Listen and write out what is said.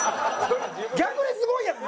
逆にすごいやん。